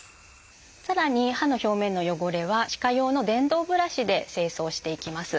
さらに歯の表面の汚れは歯科用の電動ブラシで清掃していきます。